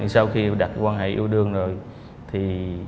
sau khi đặt quan hệ yêu đương rồi